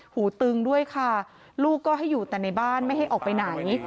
หูตึงด้วยค่ะลูกก็ให้อยู่แต่ในบ้านไม่ให้ออกไปไหน